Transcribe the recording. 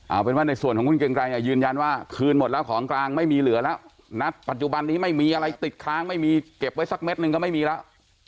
เอาเป็นว่าในส่วนของคุณเกรงไกรยืนยันว่าคืนหมดแล้วของกลางไม่มีเหลือแล้วนัดปัจจุบันนี้ไม่มีอะไรติดค้างไม่มีเก็บไว้สักเม็ดหนึ่งก็ไม่มีแล้ว